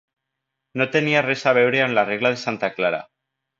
No tenia res a veure amb la regla de santa Clara.